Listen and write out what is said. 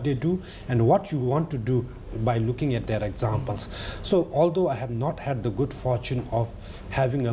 เพราะถ้าคุณได้ดูชีวิตของพระเจ้าเพราะถ้าคุณได้ดูชีวิตของพระเจ้า